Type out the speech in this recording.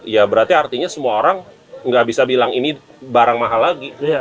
ya berarti artinya semua orang nggak bisa bilang ini barang mahal lagi